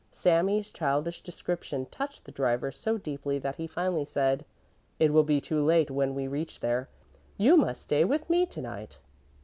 Sami's childish description touched the driver so deeply that he finally said: "It will be too late when we reach there, you must stay with me to night."